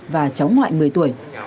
và cháu ngoại một mươi tuổi